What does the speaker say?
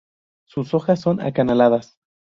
Sus hojas son acanaladas.